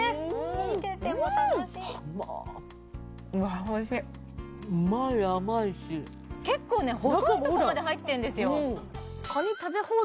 見てても楽しいうまい甘いし結構ね細いとこまで入ってるんですよ